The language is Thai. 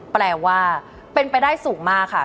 แปลว่าเป็นไปได้สูงมากค่ะ